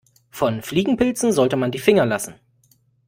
Von Fliegenpilzen sollte man die Finger lassen.